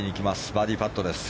バーディーパットです。